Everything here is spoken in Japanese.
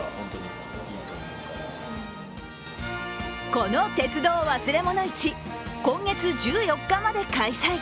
この鉄道忘れ物市、今月１４日まで開催。